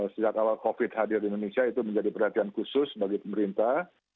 sejak awal covid hadir di indonesia itu menjadi perhatian khusus bagi pemerintah